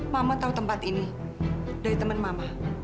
mama tau tempat ini dari temen mama